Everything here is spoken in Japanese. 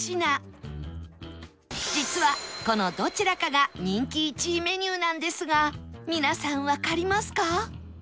実はこのどちらかが人気１位メニューなんですが皆さんわかりますか？